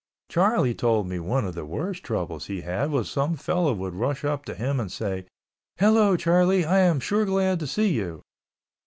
Charlie told me one of the worst troubles he had was some fellow would rush up to him and say, "Hello, Charlie, I am sure glad to see you."